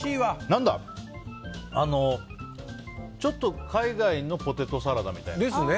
何だ、ちょっと海外のポテトサラダみたいな。